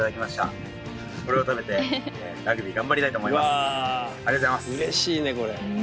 うわうれしいねこれ。